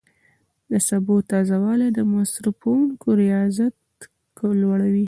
د سبو تازه والی د مصرفونکو رضایت لوړوي.